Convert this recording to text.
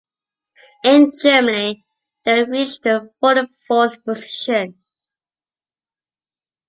In Germany they reached the forty-fourth position.